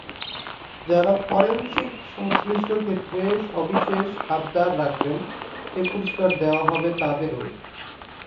যাঁরা ফরেনসিক সংশ্লিষ্ট ক্ষেত্রে সবিশেষ অবদান রাখবেন, এ পুরস্কার দেওয়া হবে তাদেরই।